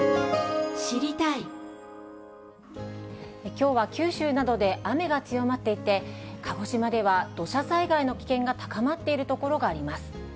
きょうは九州などで雨が強まっていて、鹿児島では土砂災害の危険が高まっている所があります。